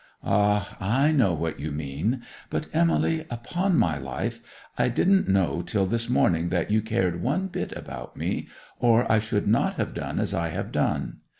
'Ah! I know what you mean. But, Emily, upon my life I didn't know till this morning that you cared one bit about me, or I should not have done as I have done.